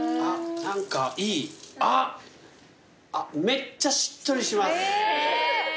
めっちゃしっとりします。